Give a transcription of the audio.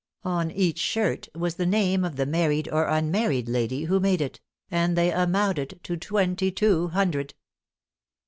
On each shirt was the name of the married or unmarried lady who made it; and they amounted to twenty two hundred.